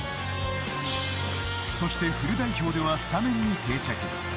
そしてフル代表ではスタメンに定着。